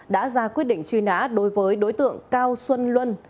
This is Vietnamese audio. đã ra quyết định truy nã đối với đối tượng cao xuân luân